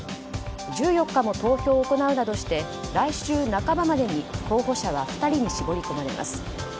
１４日も投票を行うなどとして来週半ばまでに候補者は２人に絞り込まれます。